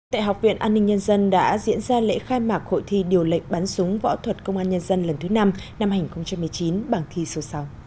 tại học viện an ninh nhân dân đã diễn ra lễ khai mạc hội thi điều lệnh bắn súng võ thuật công an nhân dân lần thứ năm năm hai nghìn một mươi chín bảng thi số sáu